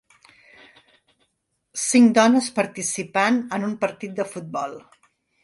Cinc dones participant en un partit de futbol.